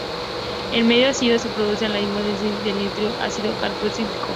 En medio ácido se produce la hidrólisis del nitrilo a ácido carboxílico.